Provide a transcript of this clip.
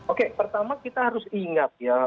oke pertama kita harus ingat ya